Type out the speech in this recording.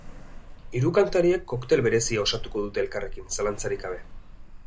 Hiru kantariek koktel berezia osatuko dute elkarrekin, zalantzarik gabe.